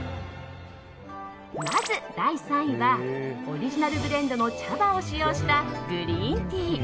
まず第３位はオリジナルブレンドの茶葉を使用したグリーンティー。